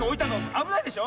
あぶないでしょ！